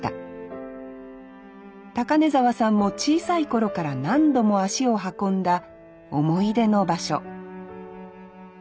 高根沢さんも小さい頃から何度も足を運んだ思い出の場所